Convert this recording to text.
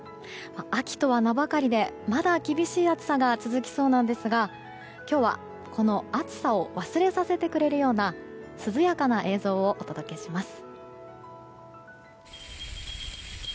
秋とは名ばかりでまだ厳しい暑さが続きそうなんですが今日は、この暑さを忘れさせてくれるような涼やかな映像をお届けします。